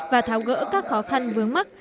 và tháo gỡ các khó khăn vướng mắt